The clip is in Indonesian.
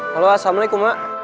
halo assalamualaikum ma